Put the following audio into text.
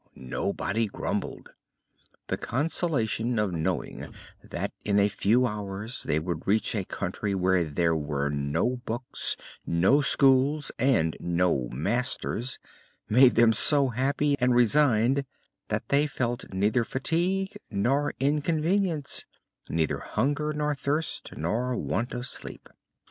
nobody grumbled. The consolation of knowing that in a few hours they would reach a country where there were no books, no schools, and no masters, made them so happy and resigned that they felt neither fatigue nor inconvenience, neither hunger, nor thirst, nor want of sleep.